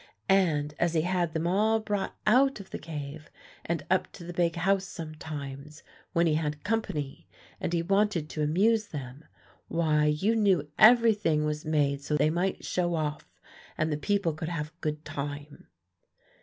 And as he had them all brought out of the cave, and up to the big house sometimes, when he had company, and he wanted to amuse them, why, you know everything was made so they might show off, and the people could have a good time."